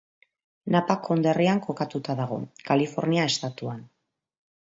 Napa konderrian kokatuta dago, Kalifornia estatuan.